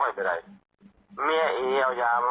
เห็นตัวไหมอ่ะ